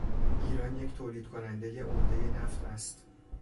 ایران یک تولید کنندهی عمدهی نفت است.